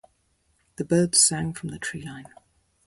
The birds sang from the treeline.